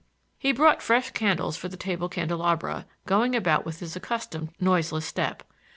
He brought fresh candles for the table candelabra, going about with his accustomed noiseless step.